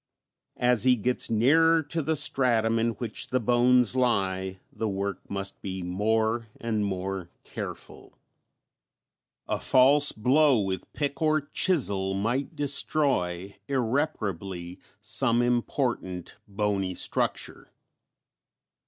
As he gets nearer to the stratum in which the bones lie the work must be more and more careful. A false blow with pick or chisel might destroy irreparably some important bony structure.